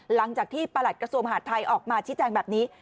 หลังจากที่ประหลัดกระทรวงมหาดไทยออกมาชี้แจงแบบนี้